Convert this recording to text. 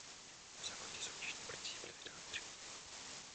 Na základě soutěžních prací byly vydány tři knihy.